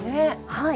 はい。